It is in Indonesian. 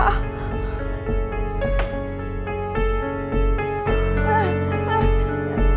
laci mau dibuka